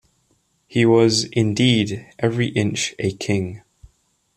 He was, indeed, every inch a king.